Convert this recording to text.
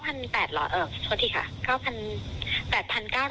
ก็คือตัวเริ่มต้นจะอยู่ที่๙๘๐๐หรอเอ่อโทษทีค่ะ